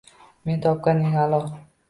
Men topgan eng a’lo